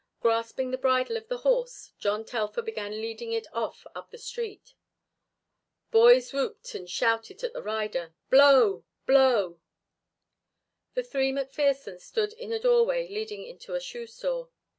Grasping the bridle of the horse, John Telfer began leading it off up the street. Boys whooped and shouted at the rider, "Blow! Blow!" The three McPhersons stood in a doorway leading into a shoe store.